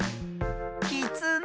きつね。